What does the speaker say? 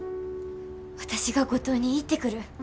私が五島に行ってくる。